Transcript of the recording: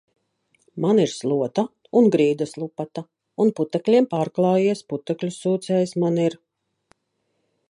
Man ir slota un grīdas lupata. Un putekļiem pārklājies putekļu sūcējs man ir.